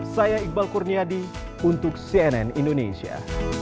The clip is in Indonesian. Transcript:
saya iqbal kurniadi untuk cnn indonesia